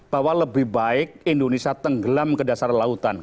bahwa lebih baik indonesia tenggelam ke dasar lautan